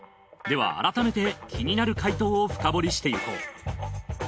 では改めて気になる回答を深掘りしていこう。